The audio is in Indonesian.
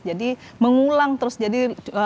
jadi mengulang terus jadi